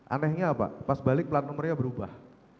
anehnya apa pas balik plat nomornya berubah